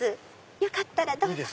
よかったらどうぞ。